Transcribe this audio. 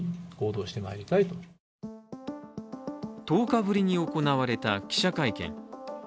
１０日ぶりに行われた記者会見。